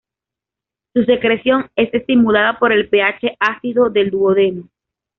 Su secreción es estimulada por el pH ácido del duodeno.